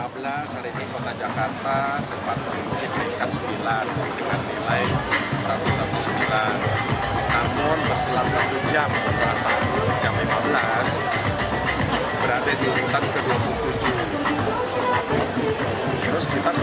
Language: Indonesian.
pada saat lima belas berada di lingkaran ke dua puluh tujuh